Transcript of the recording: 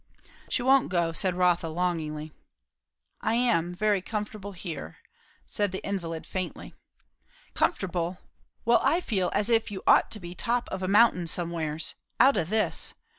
"She won't go," said Rotha longingly. "I am, very comfortable here," said the invalid faintly. "Comfortable! well, I feel as if you ought to be top of a mountain somewheres; out o' this.